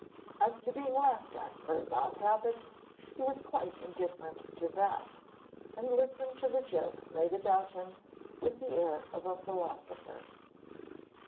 As to being laughed at for his odd habits, he was quite indifferent to that, and listened to the jokes made about him with the air of a philosopher.